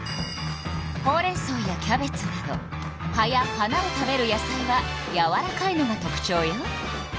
ほうれんそうやキャベツなど葉や花を食べる野菜はやわらかいのが特ちょうよ。